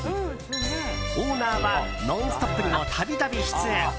オーナーは「ノンストップ！」にも度々出演。